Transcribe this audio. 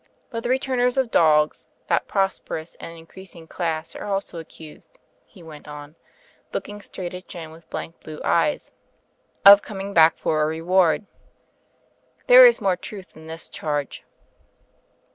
But the returners of dogs, that pros perous and increasing class, are also accused," he went on, looking straight at Joan, with blank blue eyes, "of coming back for a Reward. There is more truth in this charge."